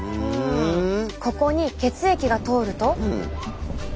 ここに血液が通ると。